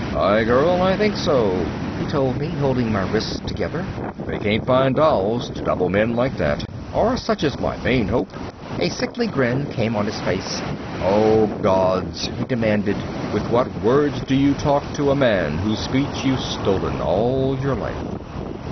"Aye, girl, I think so," he told me, holding my wrists together. "They can't find dolls to double men like that or such is my main hope." A big sickly grin came on his face. "Oh, gods," he demanded, "with what words do you talk to a man whose speech you've stolen all your life?"